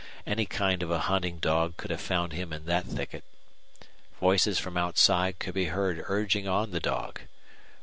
Any kind of a hunting dog could have found him in that thicket. Voices from outside could be heard urging on the dog.